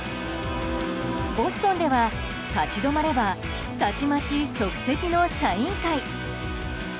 ボストンでは、立ち止まればたちまち即席のサイン会。